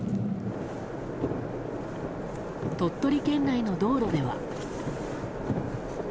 鳥取県内の道路では。